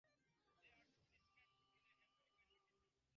They are two distinct groups today and have many differences between them.